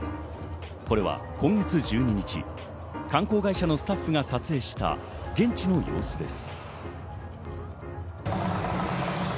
これは今月１２日、観光会社のスタッフが撮影した現地の様子です。